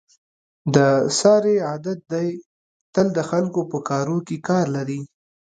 د سارې عادت دی تل د خلکو په کاروکې کار لري.